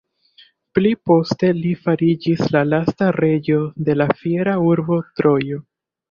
Pli poste li fariĝis la lasta reĝo de la fiera urbo Trojo.